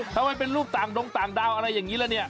ถ้ามันเป็นรูปต่างดงต่างดาวอะไรอย่างนี้แล้วเนี่ย